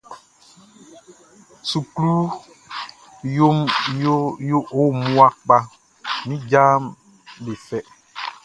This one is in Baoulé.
Sukluʼn wo mmua kpa, min jaʼm be fɛ.